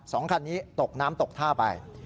สองคันนี้ตกน้ำตกท่าไป